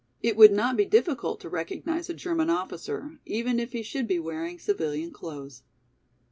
It would not be difficult to recognize a German officer, even if he should be wearing civilian clothes.